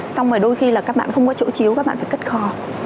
xong rồi đôi khi là các bạn không có chỗ chiếu các bạn phải cất kho